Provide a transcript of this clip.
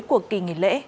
của kỳ nghỉ lễ